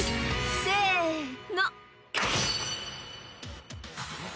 ［せの］